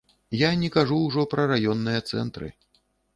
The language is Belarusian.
Я не кажу ўжо пра раённыя цэнтры.